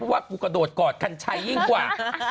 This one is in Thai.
ว่ากูกระโดดกอดกัญชัยยิ่งกว่า